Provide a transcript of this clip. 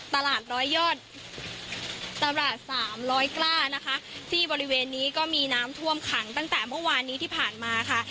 ตลาดร้อยยอดตลาดสามร้อยกล้านะคะที่บริเวณนี้ก็มีน้ำท่วมขังตั้งแต่เมื่อวานนี้ที่ผ่านมาค่ะ